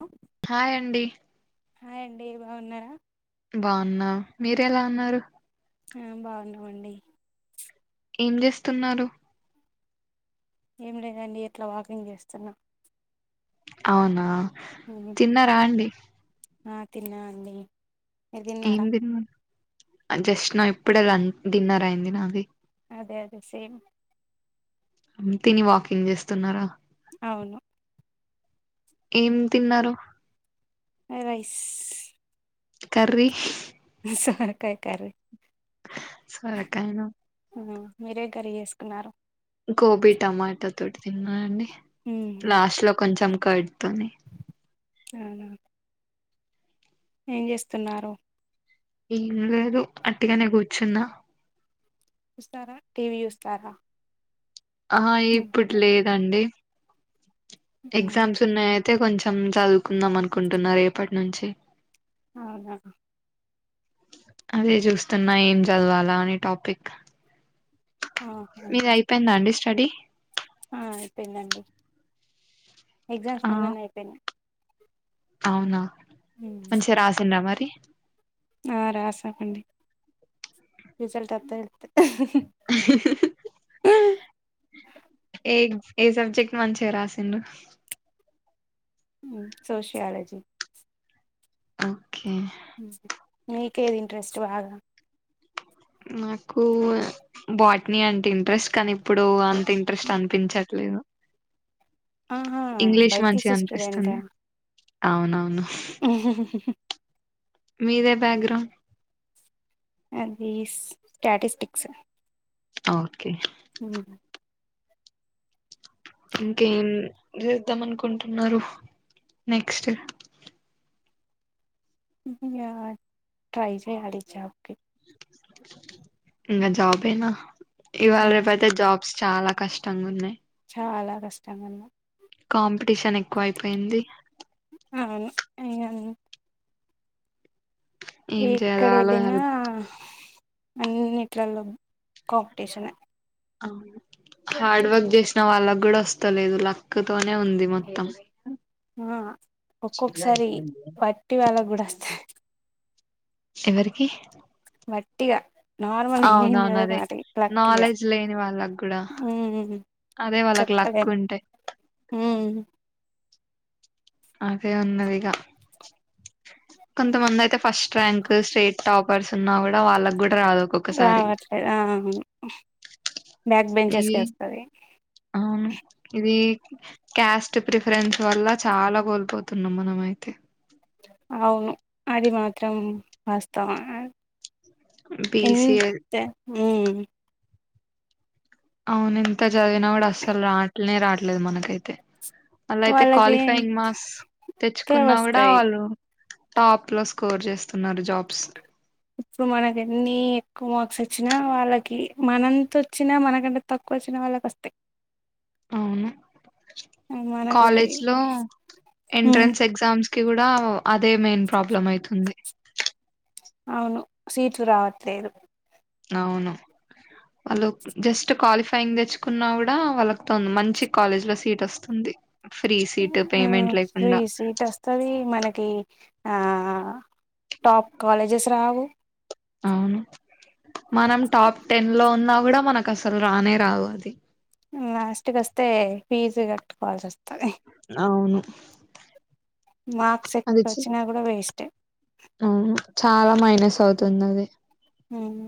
అ hi అండి hi అండి బాగున్నారా బాగున్నా మీరెలా ఉన్నారు ఆ బాగున్నావండి ఏం చేస్తున్నారు ఏం లేదండి ఇట్లా వాకింగ్ చేస్తున్నా అవునా ఉమ్, తిన్నరా అండి ఆ తిన్నా అండి మీరు ఏం తిన్నారా దిన్నారు జస్ట్ నౌ ఇప్పుడే లం డిన్నర్ అయింది నాది అదే అదే సేమ్ తిని వాకింగ్ చేస్తున్నారా అవును ఏం తిన్నారు అ రైస్ కర్రీ సొరకాయ కర్రి సొరకాయన మీరు ఎ కర్రి చేసుకున్నారు గోబీ టమాటా తోటి తిన్నా అండి ఉమ్, లాస్ట్ లో కొంచెం కర్డ్ తోనీ అవునా ఏం చేస్తున్నారు ఏం లేదు అట్టిగనే కూర్చున్న వస్తారా టీవీ చుస్తారా ఆహా ఇప్పుడు లేదండి ఉమ్, ఎగ్జామ్స్ ఉన్నాయి అయితే కొంచెం చదువు కుందాం అనుకుంటున్నా రేపటి నుంచి అవునా అదే చూస్తున్నా ఏం చదవాలా అని టాపిక్ ఆహా. మీది అయిపోయిందా అండి స్టడీ ఆ అయిపోయిందండి ఎగ్జామ్స్ ఆ మొన్ననే అయిపోయినాయి అవునా ఉమ్, మంచిగా రాసిన్రా మరి ఆ రాసాం అండి రిజల్ట్ అత్తే తెలుత్తది ఆ హా హా ఏ ఏ సబ్జెక్ట్ మంచిగా రాసిండు ఉ సోషియాలజీ ఓకే హమ్ మీకేది ఇంట్రెస్ట్ బాగా నాకు బాటిని అంటే ఇంట్రెస్ట్ కానీ ఇప్పుడు అంత ఇంట్రెస్ట్ అనిపించట్లేదు ఆహా ఇంగ్లీష్ మంచిగా బైపీసీ స్టూడెంటా అనిపిస్తుంది అవును ఊహ్మ్ మీదే బ్యాక్గ్రౌండ్ అది స్టాటిస్టిక్స్ ఓకే ఊమ్ ఇంకేం ఏద్దాం అనుకుంటున్నారు నెక్స్ట్ యా ట్రై చేయాలి జాబ్ కి నా జబేనా ఇవాళ రేపు అయితే జాబ్స్ చాలా కష్టంగా ఉన్నాయ్ చాలా కష్టంగున్నా కాంపిటీషన్ ఎక్కువ అయిపోయింది అవును ఇగ అది ఏం చేయాలో ఈక్కడెలిన అర్థం- అన్నిట్లలో కాంపిటీషనే హార్డ్ వర్క్ చేసిన వాళ్ళకు కూడా వస్తలేదు లక్ తోనే ఉంది మొత్తం ఆ ఒక్కొక్కసారి వట్టి వాళ కూడా వస్తాయి ఎవరికి వటిగా నార్మల్ ఏం అవునవును అదే చదువుకున్నట లక్కఇగా నాలెడ్జ్ లేని వాళ్ళకి కూడా అదే వాళ్ళకి లక్ చెప్పలేం ఉంటే అదే ఉన్నదిగా కొంతమంది అయితే first rank straight top purse ఉన్నా కూడా వాళ్ళకు కూ రావట్లేదు ఆ బ్యాక్ ఇవి బెంచెస్కి వస్తది అవును ఇవి క్యాస్ట్ ప్రిఫరెన్స్ వల్ల చాలా కోల్పోతున్నాం మనం అయితే అవును అది మాత్రం వాస్తవమే బీసీఏ ఎంత ఊమ్ అవును ఎంత చదివినా కూడా అసలు రాట్లేనే రాట్ లేదు మనకైతే అలా అయితే వాళ్ళకి క్వాలిఫయింగ్ ఎంతే మార్క్స్ తెచ్చుకున్నా కూడా వస్తాయి వాళ్ళు టాప్ లో స్కోర్ చేస్తున్నారు జాబ్స్ ఇప్పుడు మనక ఎన్ని ఎక్కువ మార్క్స్ వచ్చినా వాళ్ళకి మనంత వచ్చినా మనకంటే తక్కువ వచ్చినా వాళ్ళకి వస్తాయి అవును మనకు కాలేజ్ లో ఉమ్, ఎంట్రన్స్ ఎగ్జామ్స్ కి కూడా అదే మెయిన్ ప్రాబ్లం అయితుంది అవును సీట్ రావత్రేలు అవును వాళ్ళు జస్ట్ క్వాలిఫయింగ్ తెచ్చుకున్నా కూడా వాళ్ళకుతోంది మంచి కాలేజ్ లో సీట్ వస్తుంది ఫ్రీ సీట్ ఆ పేమెంట్ ఫ్రీ లేకుండా సీట్ వస్తుది మనకి టాప్ కాలేజెస్ రావు అవును మనం టాప్ టెన్ లో ఉన్నా కూడా మనకు అసలు రానే రావు అది నాస్ట్ క వస్తే ఫీజు కట్టుకోవాల్సి వస్తుంది అవును మార్క్స్ ఎక్క్క వచ్చినా కూడా వేస్ట్ టే ఆ చాలా మైనస్ అవుతుంది అది ఉమ్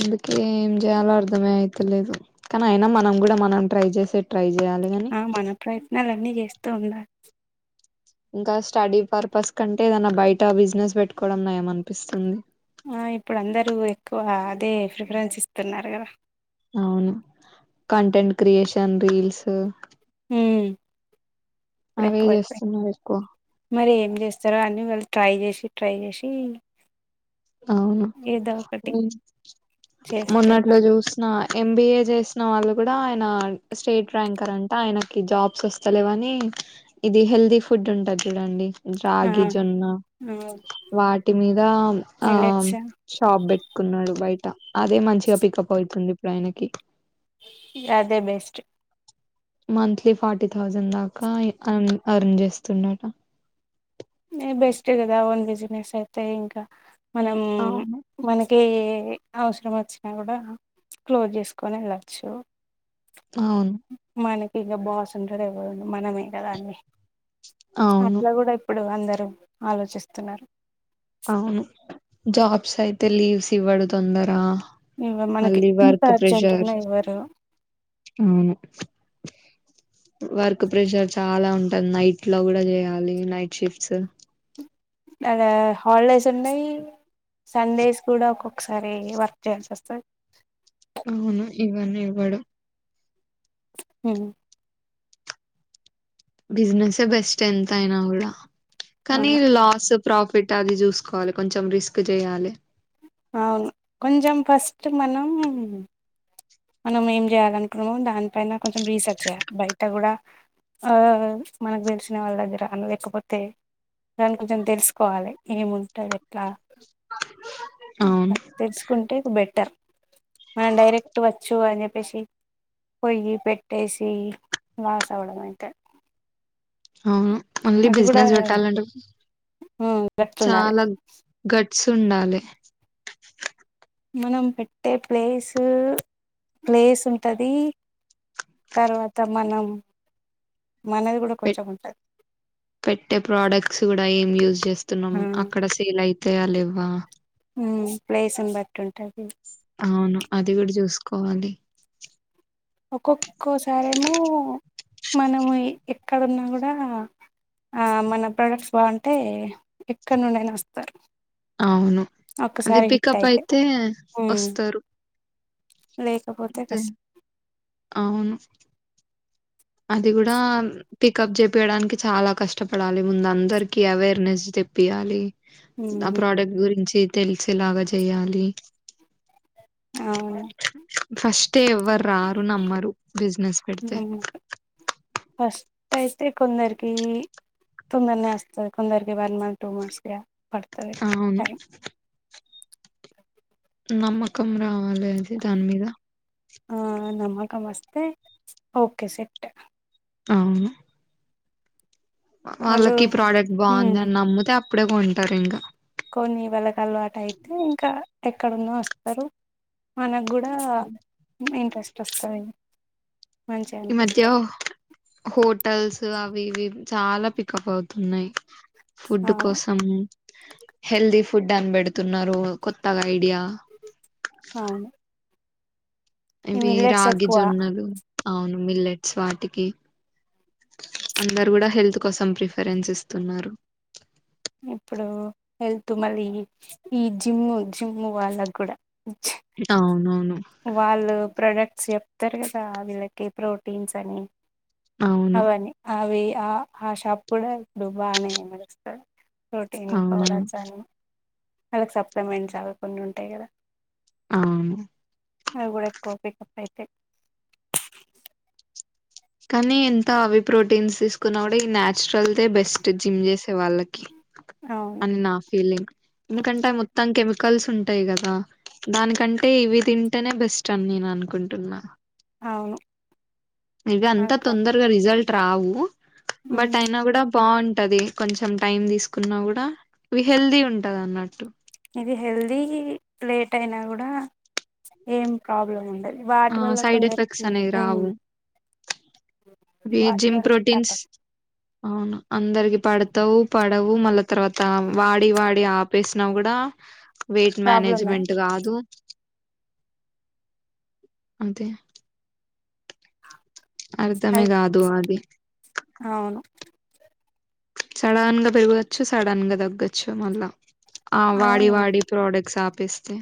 అందుకే ఏం చేయాలో అర్ధమే అయితలేదు కానీ అయినా మనం కూడా మనం ట్రై చేసే ట్రై చేయాలి కాని ఆ మనపయ నళ అన్నీ చేస్తూ ఉన్నారు ఇంకా స్టడీ పర్పస్ కంటే ఏదైనా బయట బిజినెస్ పెట్టుకోవడం నయం అనిపిస్తుంది. ఆ ఇక్కడ అందరూ ఎక్కువ అదే ప్రిఫరెన్స్ ఇస్తున్నారు కదా. అవును కంటెంట్ క్రియేషన్ రీల్స్ హ్మ్ అవే [unintelligible] చేస్తున్నారు ఎక్కువ మరి చేస్తార అని వాళ్ళు ట్రై చేసి ట్రై చేసి అవును ఏదో ఒకటి మొన్నట్లో చేస్తున్నారు చూసిన ఎంబిఏ చేస్త వాళ్ళు కూడా ఆయన స్టేట్ ర్యాంకర్ అంటే ఆయనకి జాబ్స్ వస్తలేవని ఇది హెల్దీ ఫుడ్ ఉంటది చూడండి ఆ రాగి జొన్న ఆ వాటి మీద ఆ మిల్లెట్స్ షాప్ పెట్టుకున్నాడు బయట అదే మంచిగా పికప్ అయ్తుంది ఇప్పుడు ఆయనకి అదే బెస్ట్ మంత్లీ ఫటీ థౌజండ్ దాకా అరన్ చేస్తున్నాట న బెస్ట్ కదా ఓన్ బిజినెస్ అయితే ఇంకా మనం అవును మనకి కే ఏ అవసరం వచ్చినా కూడా క్లోజ్ చేసుకొని వెళ్ళచ్చు అవును మనకి ఇంకా బాస్ ఉంటాడు ఎవ్వరు మనమే కదా అని అవును అట్లా కూడా అందరూ ఆలోచిస్తున్నారు అవును జాబ్స్ అయితే లీవ్స్ ఇవ్వడు తొందరా ఇ మనకి అలి ఇంత వర్క్ అర్జెంట్ ప్రెషర్ ఉన్న ఎవరు అవును వర్క్ ప్రెషర్ చాలా ఉంటుంది నైట్ లో కూడా చేయాలి నైట్ షిఫ్ట్స్ అడ హాలిడేస్ ఉన్నాయి సండేస్ కూడా ఒక్కొక్కసారి వర్క్ చేయాల్సి వస్తుంది అవును ఈవని ఇవడు హ బిజినెస్ బెస్ట్ ఎంత అయినా కూడా కానీ లాస్ ప్రాఫిట్ ట్టది చూసుకోవాలి కొంచెం రిస్క్ చేయాలి అవును కొంచెం ఫస్ట్ మనం మనం ఏం చేయాల అనుకున్నామో దానిపైన కొంచెం రీసెర్చ్ చేయాలి బయట కూడా ఆ మనకు తెలిసిన వాళ్ళ దగ్గర అనలేకపోతే దాని కొంచెం తెలుసుకోవాలి ఏముంటంది ఎట్లా అవును తెలుసుకుంటే బెటర్ మ డైరెక్ట్ పెట్టువచ్చు అని చెప్పేసి పోయ్యి పెట్టేసి మాస్ అవ్వడం అయితే ఆ ఓన్లీ అది కూడా బిజినెస్ పెట్టాలండి ఉమ్, గట్లుండాలి చాలా గట్ చ ఉండాలి మనం పెట్టే ప్లేస్ ప్లేస్ ఉంటుంది తర్వాత మనం మనది కూడా కొంచెం ఉంటది పెట్టే ప్రోడక్ట్స్ కూడా టైం యూజ స్తున్నాం అక్కడ సేల్ అయితేయ లేవ్ వా ప్లేస్ని బట్టి ఉంటది అవును అది గుడా చూసుకోవాలి ఒక్కొక్కోసారేమో మనము ఎక్కడున్నా కూడా మన ప్రొడక్ట్స్ బాంటే ఎక్కడినుండైనా వస్తారు అవును అది ఒక్కసారి హిట్ పికప్ అయితే ఉమ్ వస్తారు లేకపోతే అంతే కష్ అవును అది గుడా పికప్ చెపియడానికి చాలా కష్టపడాలి ముందు అందరికి అవేర్నెస్ తెప్పియాలి ఆ ఉమ్ ప్రాడక్ట్ గురించి తెలిసే లాగ జెయాలి అవును ఫ్రస్ట్ తే ఎవరు రారు నమ్మరు బిజినెస్ పెడితే ఉమ్ ఫస్ట్ అయితే కొందరికి తొందరనే వస్తది కొందరికి వన్ మంత్ టూ మంత్స్ గా పడతది అవును. టైం నమ్మకం రావాలి అది దాని మీద ఆ నమకం వస్తే ఓకే సెట్ అవును వాళ్ళు వాళ్ళకి ఈ ప్రాడక్ట్ ఉమ్ బాంది అని నమ్ముతే ప్పుడే కొంటారు ఇంగ కొనీ వల అలవాటయితే ఇంకా ఎక్కడున్నా వస్తారు మనకు గు ఇలా మింట్ టెస్ట్లు వస్తాయి ఈ మధ్య హోటల్స్ అవి ఇవి చాలా పికప్ అవుతున్నాయి ఫుడ్ అవును కోసం హెల్దీ ఫుడ్ అని పెడుతున్నారు కొత్తగా ఐడియా అవును ఈ ఇవి మిల్లెట్స్ రాగి ఎక్కువ జొన్నలు మిల్లెట్స్ వాటికి అందరు కూడా హెల్త్ కోసం ప్రిఫరెన్స్ ఇస్తున్నారు ఇప్పుడూ వెళ్తూ మళ్ళీ ఈ జిమ్ జిమ్ వాళ్ళ కూడా అవునవును వాళ్ళు ప్రొడక్ట్ చెప్తారు కదా వీళ్ళకి ప్రోటీన్స్ అని అవును అవని అవి ఆ ఆ షాప్ కూడా ఇప్పుడు బానే నడుస్తాది ప్రోటీన్ అవునవును పౌడర్స్ అని వాళ్ళకి సప్లిమెంట్స్ అవి కొన్ని ఉంటాయి కదా అవును అవి కూడా ఎక్కువ పిక్ అప్ అయితే కానీ ఎంత అవి ప్రోటీన్స్ తీసుకున్నా కూడా ఈ natural they best gym చేసే వాళ్ళకి అవును అని నా ఫీలింగ్ ఎందుకంటే మొత్తం కెమి కల్స్ ఉంటాయి కదా దానికంటే ఇవి తింటేనే బెస్ట్ అని నేను అనుకుంటున్నా అవును ఇగ అ అంత తొందరగా రిజల్ట్ ట్రావు బట్ ఉమ్ అయినా కూడా బావుంటది కొంచెం టైం తీసుకున్నా కూడా ఇవి హెల్తీ ఉంటదన్నట్టు ఇది హెల్దీ లేట్ అయినా కూడా ఏం ప్రాబ్లం ఉండదు ఆ వాటి వల్ల సైడ్ ఎఫెక్ట్స్ కొందరికి మ్మ్ వి జిమ్ ప్రోటీన్స్ అవును అందరికి పడతావు పడవు మళ్ళా తర్వాత వాడి వాడి ఆపేసి నవ్వు గుడా వెయిట్ ప్రాబ్లమే మేనేజ్మెంట్ కాదు అంతే అర్థమే అది కాదు అది అవును సడన్ గా పెరగవచ్చు సడన్ గా తగ్గొచ్చు మళ్ళా ఆ వాడి అవును వాడి ప్రోడక్ట్స్ హ పిస్తే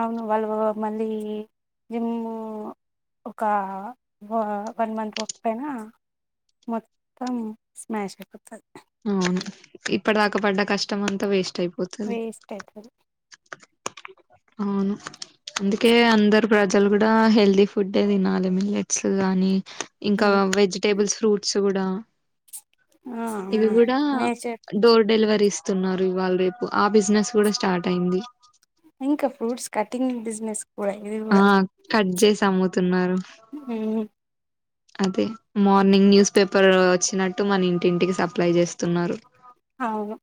అవును వాళ్ళు మళ్ళీ జిమ్ ఒక వ వన్ మంత్ వర్క్పోయినా మొత్తం స్మాష్ అయిపోతది అవును ఇప్పటిదాకా పడ్డ కష్టం అంతా వేస్ట్ అయిప్ వేస్ట్ అయిపోదు అవును అందుకే అందరు ప్రజలు కూడా హెల్దీ ఫుడ్డే తినాలి మిల్లెట్స్ గాని ఇంకా వెజిటేబుల్స్ ఫ్రూట్స్ కూడా ఇవి కూడా నేచర్ డోర్ డెలివరీసే ఇస్తూన్నారు ఇవాళ రేపు ఆ బిజినెస్ కూడా స్టార్ట్ అయింది ఇంకా ఫ్రూట్స్ కటింగ్ బిజినెస్ కూడా ఇది ఆ కూడా కట్ చేసి అమ్ముతున్నారు ఉమ్, అదే మార్నింగ్ న్యూస్ పేపర్ వచ్చినట్టు మన ఇంటింటికి సప్లై చేస్తున్నారు అవును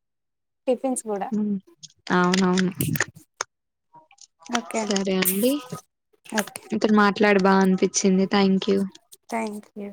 టిఫిన్స్ కూడా అవునవును సరే అండి ఓకే ఇతను మా మాట్లాడు బాగా అనిపించింది థ్యాంక్ యూ థ్యాంక్ యూ